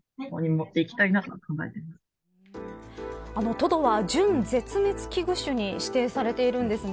トドは準絶滅危惧種に指定されているんですね。